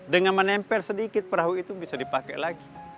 dengan menempel sedikit perahu itu bisa dipakai lagi